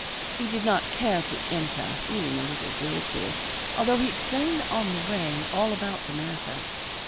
He did not care to enter, feeling a little guilty, although he explained on the way all about the matter.